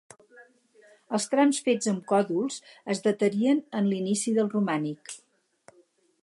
Els trams fets amb còdols es datarien en l'inici del romànic.